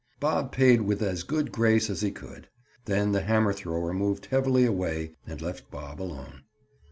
Bob paid with as good grace as he could. Then the hammer thrower moved heavily away and left Bob alone.